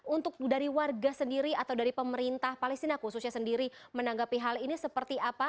untuk dari warga sendiri atau dari pemerintah palestina khususnya sendiri menanggapi hal ini seperti apa